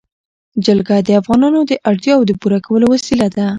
جلګه د افغانانو د اړتیاوو د پوره کولو وسیله ده.